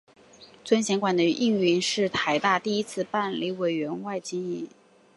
尊贤馆的营运是台大第一次办理委外经营。